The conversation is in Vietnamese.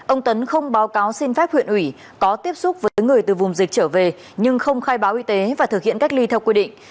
ông tấn không báo cáo xin phép huyện ủy có tiếp xúc với người từ vùng dịch trở về nhưng không khai báo y tế và thực hiện cách ly theo quy định